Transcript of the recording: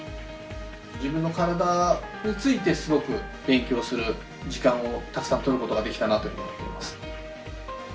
自分の体についてすごく勉強する時間をたくさん取ることができたなというふうに思っています。